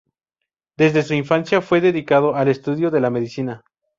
Desde su infancia fue dedicado al estudio de la medicina.